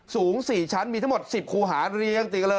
สูง๔ชั้นมีทั้งหมด๑๐ครูหาเรียง